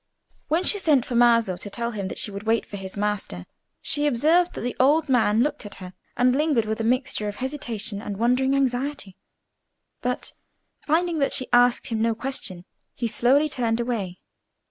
When she sent for Maso to tell him that she would wait for his master, she observed that the old man looked at her and lingered with a mixture of hesitation and wondering anxiety; but finding that she asked him no question, he slowly turned away.